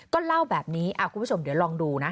ก็เล่าแบบนี้คุณผู้ชมเดี๋ยวลองดูนะ